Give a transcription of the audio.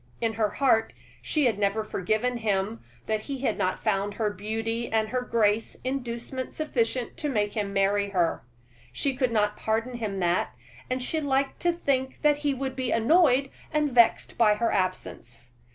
In her heart she had never forgiven him that he had not found her beauty and her grace inducement sufficient to make him marry her. She could not pardon him that, and she liked to think that he would be annoyed and vexed by her absence.